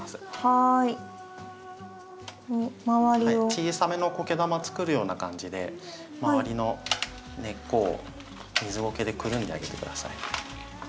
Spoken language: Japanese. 小さめのこけ玉作るような感じで周りの根っこを水ごけでくるんであげて下さい。